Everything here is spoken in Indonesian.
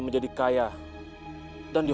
pergi ke sana